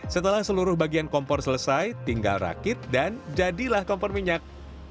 setelah seluruh bagian kompor selesai tinggal rakit dan jadilah kompor minyak